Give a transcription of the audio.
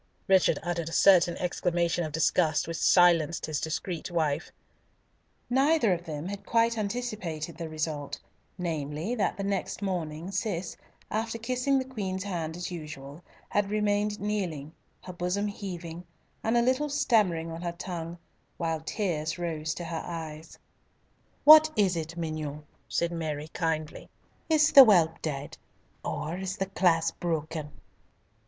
Richard uttered a certain exclamation of disgust which silenced his discreet wife. Neither of them had quite anticipated the result, namely, that the next morning, Cis, after kissing the Queen's hand as usual, remained kneeling, her bosom heaving, and a little stammering on her tongue, while tears rose to her eyes. "What is it, mignonne," said Mary, kindly; "is the whelp dead? or is the clasp broken?"